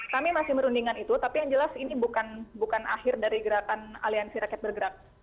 kami masih merundingkan itu tapi yang jelas ini bukan akhir dari gerakan aliansi rakyat bergerak